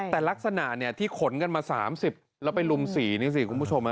แต่ลักษณะที่ขนกันมา๓๐แล้วไปลุมสีนี่สิคุณผู้ชม